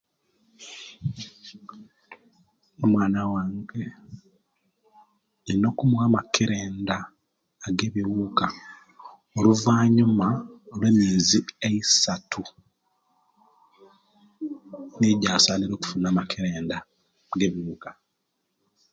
Omwaana wange ndina okumuwa amakerendda age'biwuuka oluvainyama olwe'myezi eisatu niwo awasaanile okufuna amakerendda age'biwuuka .